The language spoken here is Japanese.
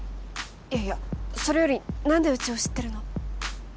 いやいやそれより何でうちを知ってるの？